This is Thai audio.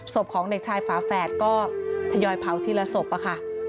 ศพของเด็กชายฝาแฝดก็ทยอยเผาทีละศพค่ะ